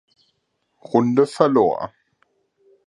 Runde verlor.